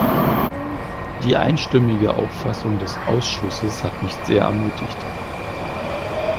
Die einstimmige Auffassung des Ausschusses hat mich sehr ermutigt.